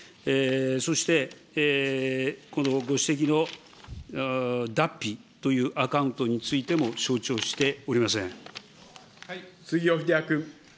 そして、このご指摘のＤａｐｐｉというアカウントについても承知をしてお杉尾秀哉君。